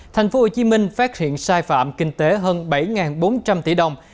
thành phố hồ chí minh phát hiện sai phạm kinh tế hơn bảy bốn trăm linh tỷ đồng